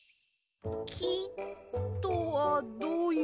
き？とはどういう？